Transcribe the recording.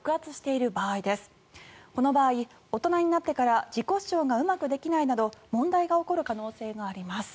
この場合、大人になってから自己主張がうまくできないなど問題が起こる可能性があります。